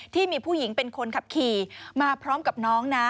ที่มีผู้หญิงเป็นคนขับขี่มาพร้อมกับน้องนะ